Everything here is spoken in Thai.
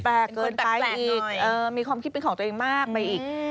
เกินแปลกมีความคิดเป็นของตัวเองมากไปอีก